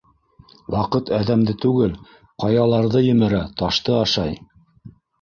Ваҡыт әҙәмде түгел, ҡаяларҙы емерә, ташты ашай...